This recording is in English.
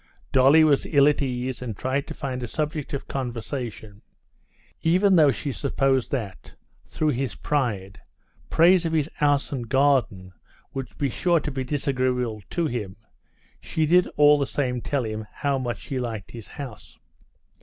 Dolly was ill at ease, and tried to find a subject of conversation. Even though she supposed that, through his pride, praise of his house and garden would be sure to be disagreeable to him, she did all the same tell him how much she liked his house.